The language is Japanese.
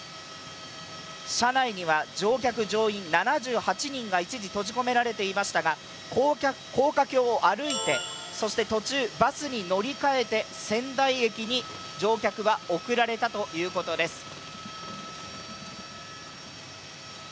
車内には乗客・乗員が一時、閉じ込められていましたが高架橋を歩いて、そして途中バスに乗り換えて、仙台駅に乗客は送られたということです。